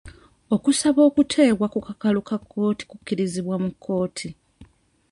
Okusaba okuteebwa ku kakalu ka kkooti kukirizibwa mu kkooti.